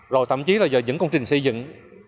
rồi tậm chí là giờ những công trình xây dựng